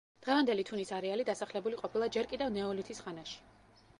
დღევანდელი თუნის არეალი დასახლებული ყოფილა ჯერ კიდევ ნეოლითის ხანაში.